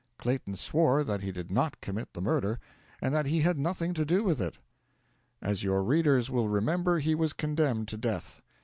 Clayton swore that he did not commit the murder, and that he had had nothing to do with it. As your readers will remember, he was condemned to death.